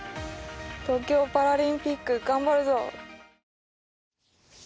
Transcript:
東京パラリンピック頑張るぞ。